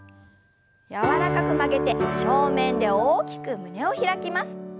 柔らかく曲げて正面で大きく胸を開きます。